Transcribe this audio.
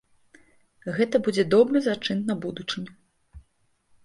Гэта будзе добры зачын на будучыню.